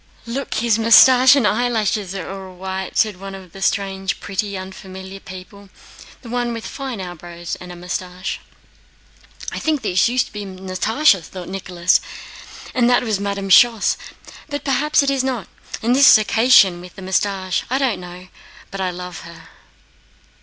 "Look, his mustache and eyelashes are all white!" said one of the strange, pretty, unfamiliar people—the one with fine eyebrows and mustache. "I think this used to be Natásha," thought Nicholas, "and that was Madame Schoss, but perhaps it's not, and this Circassian with the mustache I don't know, but I love her."